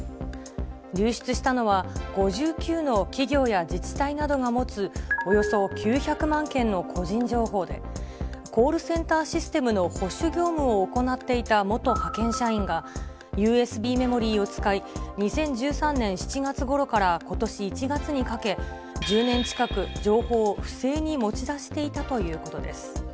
流出したのは、５９の企業や自治体などが持つおよそ９００万件の個人情報で、コールセンターシステムの保守業務を行っていた元派遣社員が、ＵＳＢメモリを使い、２０１３年７月ごろからことし１月にかけ、１０年近く情報を不正に持ち出していたということです。